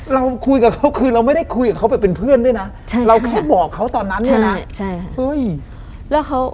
เราคุยกับเขาคือเราไม่ได้คุยกับเขาแบบเป็นเพื่อนด้วยนะเราแค่บอกเขาตอนนั้นเนี่ยนะ